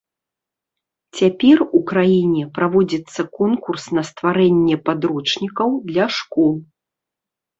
Цяпер у краіне праводзіцца конкурс на стварэнне падручнікаў для школ.